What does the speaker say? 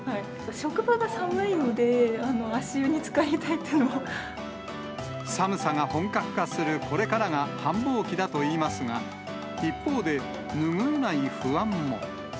職場が寒いので、寒さが本格化するこれからが繁忙期だといいますが、一方で拭えない不安も。